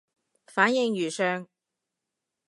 反應如上